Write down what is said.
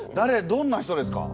どんな人ですか？